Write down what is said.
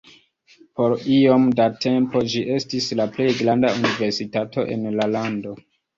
Por iom da tempo, ĝi estis la plej granda universitato en la lando.